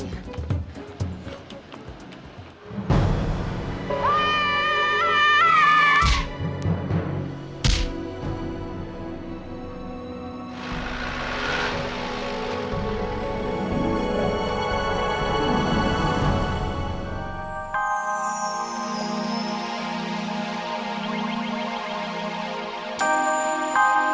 bila sudah set